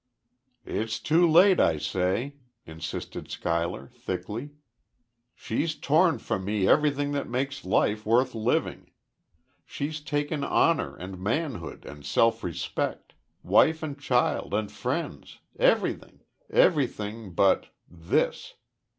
"It's too late, I say!" insisted Schuyler, thickly. "She's torn from me everything that makes life worth living. She's taken honor and manhood and self respect wife and child and friends everything everything but this!"